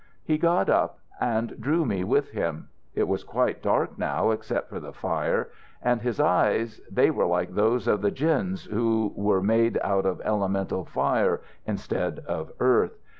He got up and drew me with him. It was quite dark now except for the fire, and his eyes ... they were like those of the Djinns who were made out of elemental fire instead of earth.